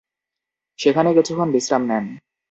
সেখানে কিছুক্ষণ বিশ্রাম নেন।